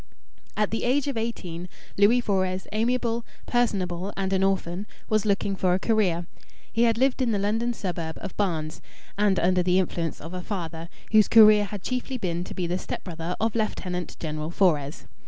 At the age of eighteen, Louis Fores, amiable, personable, and an orphan, was looking for a career. He had lived in the London suburb of Barnes, and under the influence of a father whose career had chiefly been to be the stepbrother of Lieutenant General Fores.